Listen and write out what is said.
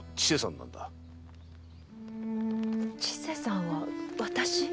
千世さんは私？